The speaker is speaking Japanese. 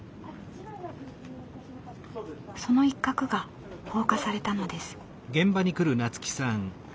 その一角が放火されたのです。